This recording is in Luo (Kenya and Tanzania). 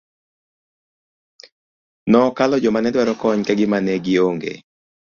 Nokalo joma ne dwaro kony ka gima ne gi ong'e.